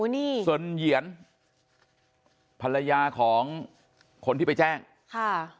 อุณีซนเหยียร์ภรรยาของคนที่ไปแจ้งใช่ว่า